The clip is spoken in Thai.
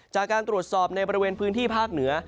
จากการตรวจสอบในบริเวณพื้นที่ภาคเหนือ